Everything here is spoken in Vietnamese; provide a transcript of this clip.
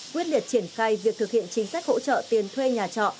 quyết liệt triển khai việc thực hiện chính sách hỗ trợ tiền thuê nhà trọ